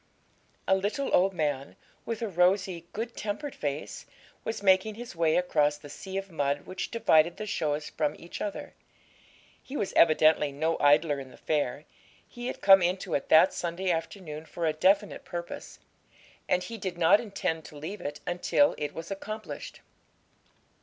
A little old man, with a rosy, good tempered face, was making his way across the sea of mud which divided the shows from each other. He was evidently no idler in the fair; he had come into it that Sunday afternoon for a definite purpose, and he did not intend to leave it until it was accomplished.